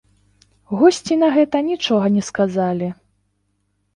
Госці на гэта нічога не сказалі.